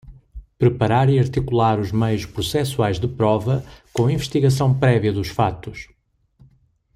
Preparar e articular os meios processuais de prova, com investigação prévia dos fatos.